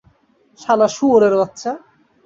শালা শুয়োরের বাচ্চা!